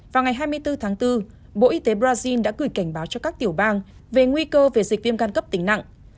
vào ngày hai mươi bốn tháng bốn bộ y tế brazil đã gửi cảnh báo cho các tiểu bang về nguy cơ về dịch viêm gan cấp tính nặng